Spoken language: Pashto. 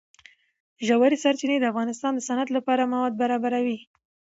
ژورې سرچینې د افغانستان د صنعت لپاره مواد برابروي.